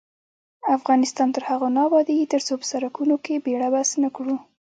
افغانستان تر هغو نه ابادیږي، ترڅو په سرکونو کې بیړه بس نکړو.